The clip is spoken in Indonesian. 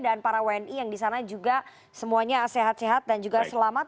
dan para wni yang di sana juga semuanya sehat sehat dan juga selamat